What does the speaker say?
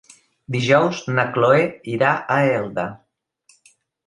Dijous na Cloè irà a Elda.